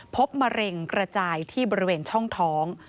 มะเร็งกระจายที่บริเวณช่องท้อง